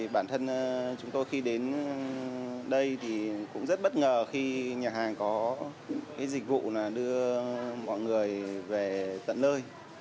bản thân chúng tôi khi đến đây thì cũng rất bất ngờ khi nhà hàng có dịch vụ đưa mọi người về tận nơi